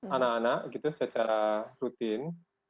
anak anak secara rutin